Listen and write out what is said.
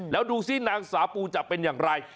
แล้วดูสินางสาปูจะเป็นอย่างไร